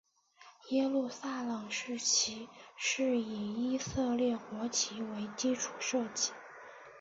耶路撒冷市旗是以以色列国旗为基础设计。